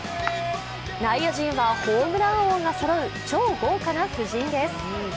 内野陣はホームラン王がそろう超豪華な布陣です。